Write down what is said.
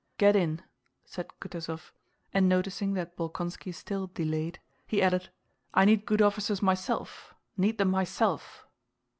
"Get in," said Kutúzov, and noticing that Bolkónski still delayed, he added: "I need good officers myself, need them myself!"